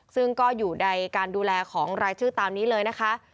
ซึ่งก็อยู่ในการดูแลของรายชื่อตามนี้เลยนะคะ